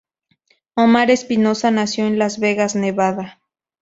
Omar Espinosa nació en Las Vegas, Nevada.